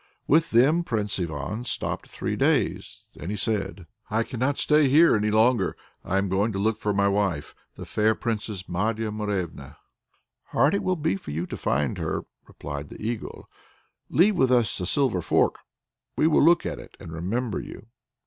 With them Prince Ivan stopped three days; then he said: "I cannot stay here any longer. I am going to look for my wife, the fair Princess Marya Morevna." "Hard will it be for you to find her," replied the Eagle, "Leave with us a silver fork. We will look at it and remember you."